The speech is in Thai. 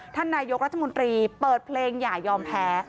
ท่านนายกรัฐมนตรีเปิดเพลงอย่ายอมแพ้